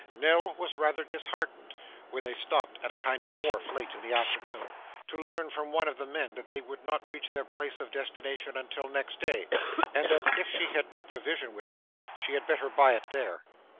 Nell was rather disheartened, when they stopped at a kind of wharf late in the afternoon, to learn from one of the men that they would not reach their place of destination until next day, and that, if she had no provision with her, she had better buy it there.